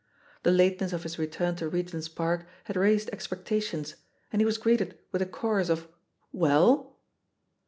The lateness of his return to Regent's Park had raised expectations, and he was greeted with a chorus of "Well?"